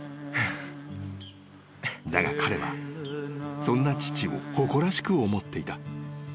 ［だが彼はそんな父を誇らしく思っていた］